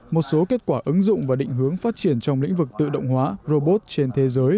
một số kết quả ứng dụng và định hướng phát triển trong lĩnh vực tự động hóa robot trên thế giới